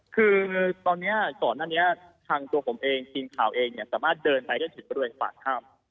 คือตอนนี้ทางตัวผมเองทีมข่าวเองสามารถเดินไปได้ถึงประดูกฝากถ้ำ